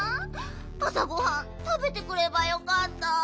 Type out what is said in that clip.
あさごはんたべてくればよかった。